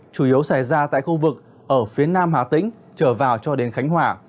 chủ yếu xảy ra tại khu vực ở phía nam hà tĩnh trở vào cho đến khánh hòa